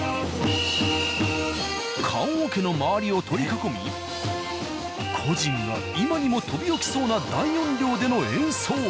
棺桶の周りを取り囲み故人が今にも飛び起きそうな大音量での演奏。